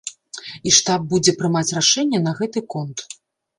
І штаб будзе прымаць рашэнне на гэты конт.